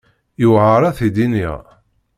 Yewɛeṛ ad t-id-iniɣ.